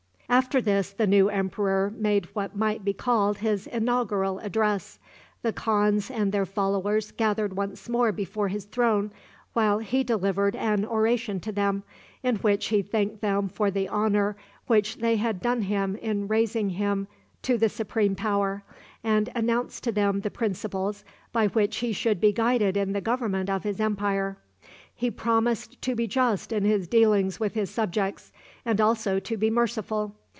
After this the new emperor made what might be called his inaugural address. The khans and their followers gathered once more before his throne while he delivered an oration to them, in which he thanked them for the honor which they had done him in raising him to the supreme power, and announced to them the principles by which he should be guided in the government of his empire. He promised to be just in his dealings with his subjects, and also to be merciful.